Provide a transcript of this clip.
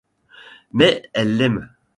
Mais elle l'aime.